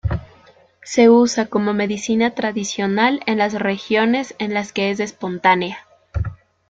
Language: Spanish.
Se usa como medicina tradicional en las regiones en las que es espontánea.